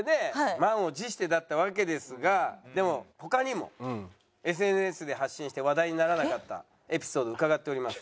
満を持してだったわけですがでも他にもＳＮＳで発信して話題にならなかったエピソード伺っております。